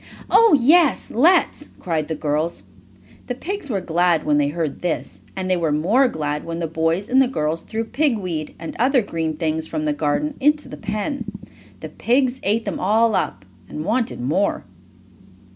"Oh, yes, let's!" cried the girls. The pigs were glad when they heard this, and they were more glad when the boy and the girls threw pig weed, and other green things from the garden, into the pen. The pigs ate them all up, and wanted more.